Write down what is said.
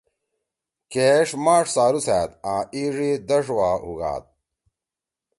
کیݜ ماݜ څارُوسأد آں اِیݜ ئی دݜ وا ہُوگاد۔